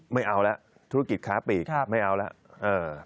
ไม่เอาแล้วธุรกิจค้าปีกไม่เอาแล้ว